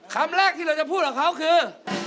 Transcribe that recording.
คำแรกที่เราจะพูดกับเขาคือ